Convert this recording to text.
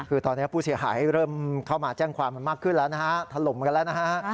คือตอนนี้ผู้เสียหายเริ่มเข้ามาแจ้งความกันมากขึ้นแล้วนะฮะถล่มกันแล้วนะฮะ